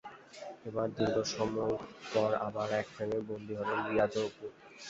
এবার দীর্ঘ সময় পর আবার এক ফ্রেমে বন্দী হলেন রিয়াজ ও অপু।